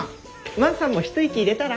万さんも一息入れたら？